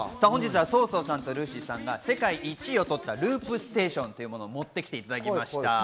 ＳＯ−ＳＯさんとＲＵＳＹさんが世界１位を取ったループステーションというものを持って来ていただきました。